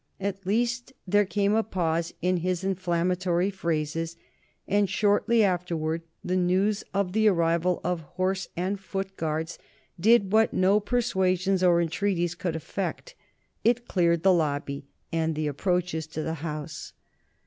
At least there came a pause in his inflammatory phrases, and shortly afterward the news of the arrival of a party of Horse and Foot Guards did what no persuasions or entreaties could effect. It cleared the Lobby and the approaches to the House.